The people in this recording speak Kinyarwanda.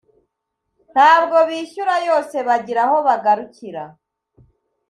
ntabwo bishyura yose bagira aho bagarukira